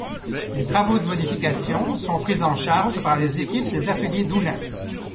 Les travaux de modification sont pris en charge par les équipes des ateliers d'Oullins.